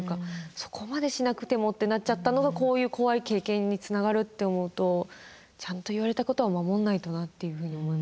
「そこまでしなくても」ってなっちゃったのがこういう怖い経験につながると思うとちゃんと言われたことは守んないとなっていうふうに思いますね。